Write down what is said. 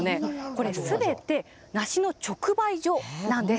これ、すべて梨の直売所なんです。